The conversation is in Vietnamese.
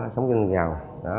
sống trên ghe cào